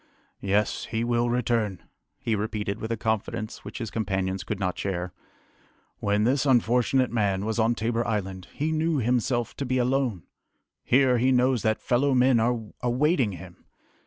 "Yes, he will return!" he repeated with a confidence which his companions could not share. "When this unfortunate man was on Tabor Island, he knew himself to be alone! Here, he knows that fellow men are awaiting him!